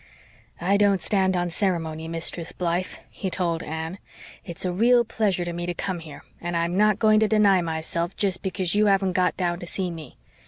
"I don't stand on ceremony, Mistress Blythe," he told Anne. "It's a real pleasure to me to come here, and I'm not going to deny myself jest because you haven't got down to see me.